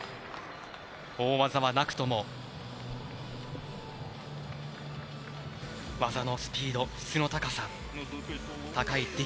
大技はなくとも技のスピード、質の高さ高い